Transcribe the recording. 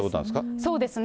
そうですね。